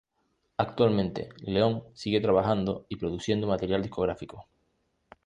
Actualmente, Leon sigue trabajando y produciendo material discográfico.